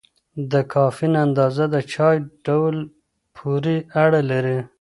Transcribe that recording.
د کافین اندازه د چای ډول پورې اړه لري.